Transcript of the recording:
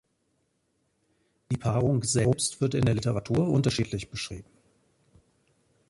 Die Paarung selbst wird in der Literatur unterschiedlich beschrieben.